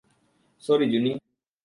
Sorry, Juni.